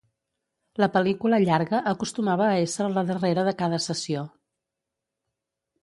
La pel·lícula llarga acostumava a ésser la darrera de cada sessió.